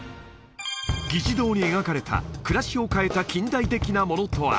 議事堂に描かれた暮らしを変えた近代的なものとは？